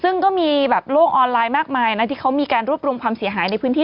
ซึ่งก็มีแบบโลกออนไลน์มากมายนะที่เขามีการรวบรวมความเสียหายในพื้นที่